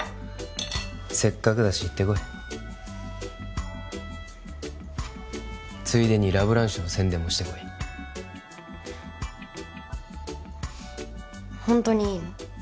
せっかくだし行ってこいついでにラ・ブランシュの宣伝もしてこいホントにいいの？